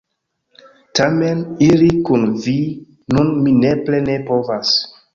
Tamen, iri kun vi nun mi nepre ne povas.